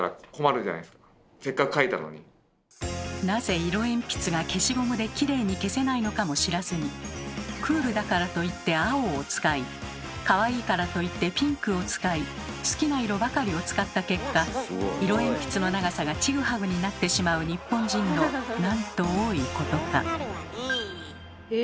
なぜ色鉛筆が消しゴムできれいに消せないのかも知らずにクールだからと言って「青」を使いかわいいからと言って「ピンク」を使い好きな色ばかりを使った結果色鉛筆の長さがチグハグになってしまう日本人のなんと多いことか。